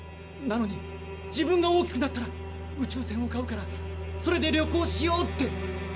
なのに「自分が大きくなったら宇宙船を買うからそれで旅行しよう」って。